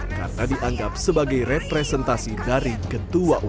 karena dianggap sebagai representasi dari ketua umum